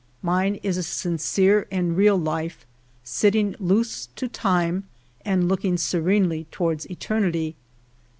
Mine is a sincere and real life, sitting loose to time, and looking serenely towards eternity.